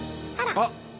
あっ！